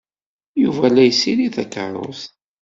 Yuba la yessirid takeṛṛust.